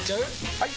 ・はい！